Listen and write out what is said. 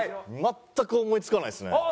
全く思いつかないですね。